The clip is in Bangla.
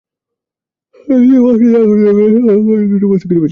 এতে বাসটিতে আগুন ধরে গেলে চালক-যাত্রীরা দ্রুত বাস থেকে নেমে যান।